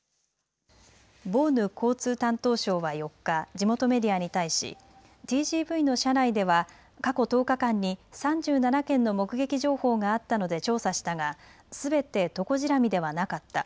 ボーヌ交通担当相は４日、地元メディアに対しＴＧＶの車内では過去１０日間に３７件の目撃情報があったので調査したがすべてトコジラミではなかった。